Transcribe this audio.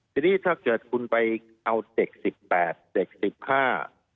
ทีนี้ถ้าเกิดคุณไปเอาเด็กสิบแปดเด็กสิบห้า